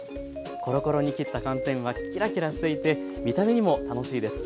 コロコロに切った寒天はキラキラしていて見た目にも楽しいです。